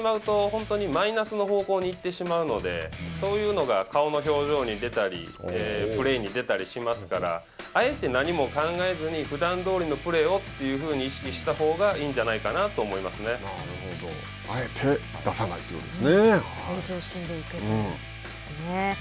気にしてしまうと本当にマイナスの方向に行ってしまうのでそういうのが顔の表情に出たりプレーに出たりしますからあえて何も考えずにふだんどおりのプレーをというふうに意識したほうがいいあえて出さないということです